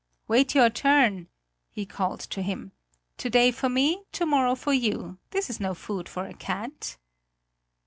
"Wait your turn!" he called to him. "To day for me, to morrow for you; this is no food for a cat!"